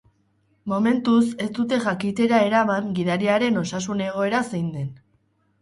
Momentuz ez dute jakiteara eman gidariaren osasun egoera zein den.